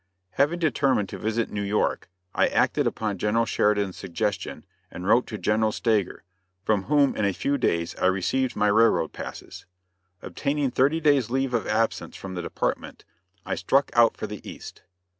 Having determined to visit New York, I acted upon General Sheridan's suggestion and wrote to General Stager, from whom in a few days I received my railroad passes. Obtaining thirty days' leave of absence from the department, I struck out for the East.